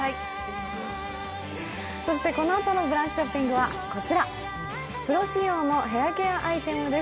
そしてこのあとの「ブランチ」ショッピングはこちら、プロ仕様のヘアケアアイテムです。